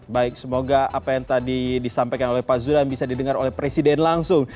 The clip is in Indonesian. baik semoga apa yang tadi disampaikan oleh pak zudan bisa didengar oleh presiden langsung